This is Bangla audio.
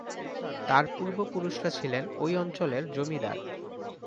তার পূর্বপুরুষরা ছিলেন ঐ অঞ্চলের জমিদার।